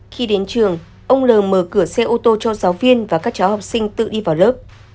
khi đến trường ông l mở cửa xe ô tô cho giáo viên và các cháu học sinh tự đi vào lớp